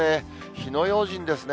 火の用心ですね。